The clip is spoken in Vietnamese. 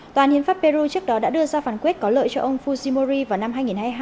tòa án hiến pháp peru trước đó đã đưa ra phán quyết có lợi cho ông fusimori vào năm hai nghìn hai mươi hai